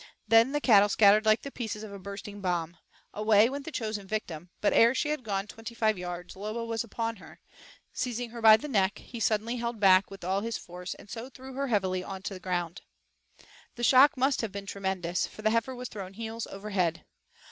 Then the cattle scattered like the pieces of a bursting bomb. Away went the chosen victim, but ere she had gone twenty five yards Lobo was upon her. Seizing her by the neck, he suddenly held back with all his force and so threw her heavily to the ground. The shock must have been tremendous, for the heifer was thrown heels over head.